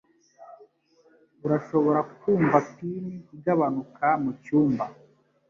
Urashobora kumva pin igabanuka mucyumba